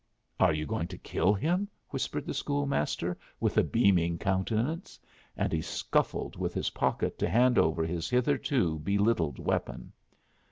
"Are you going to kill him?" whispered the school master, with a beaming countenance. And he scuffled with his pocket to hand over his hitherto belittled weapon.